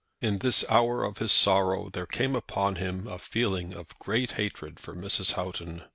In this hour of his sorrow there came upon him a feeling of great hatred for Mrs. Houghton.